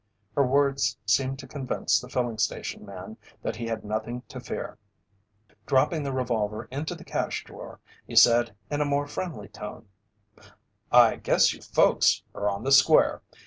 Her words seemed to convince the filling station man that he had nothing to fear. Dropping the revolver into the cash drawer, he said in a more friendly tone: "I guess you folks are on the square.